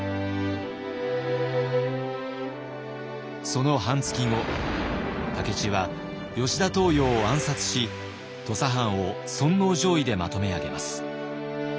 その半月後武市は吉田東洋を暗殺し土佐藩を尊皇攘夷でまとめ上げます。